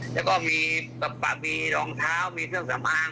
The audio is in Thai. แล้วก็มีรองเท้ามีเครื่องสำอาง